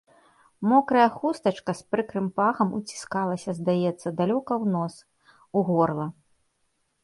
Мокрая хустачка з прыкрым пахам уціскалася, здаецца, далёка ў нос, у горла.